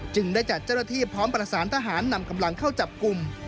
ได้จัดเจ้าหน้าที่พร้อมประสานทหารนำกำลังเข้าจับกลุ่ม